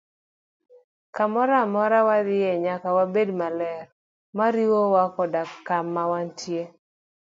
Kamoro amora mwadhiye nyaka bed maler, moriwo koda kama wantie.